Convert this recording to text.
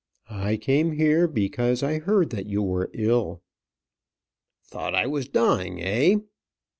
"I came here because I heard that you were ill " "Thought I was dying, eh?"